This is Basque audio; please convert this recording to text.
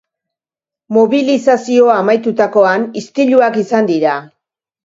Mobilizazioa amaitutakoan, istiluak izan dira.